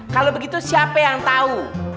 kalau begitu siapa yang tahu